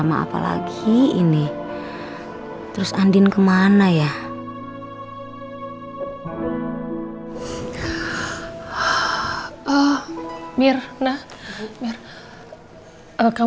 dan sholat sebagai penolongmu ya nak